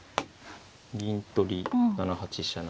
銀取り７八飛車成。